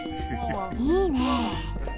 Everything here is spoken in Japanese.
いいね。